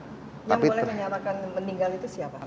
yang boleh menyatakan meninggal itu siapa